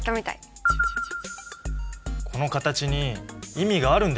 この形に意味があるんだよきっと。